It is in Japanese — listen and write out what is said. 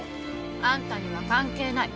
あんたには関係ない。